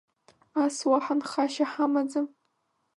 Ас уаҳа нхашьа ҳамаӡам…